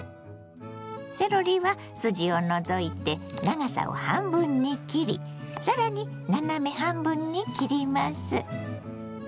セロリは筋を除いて長さを半分に切りさらに斜め半分に切ります。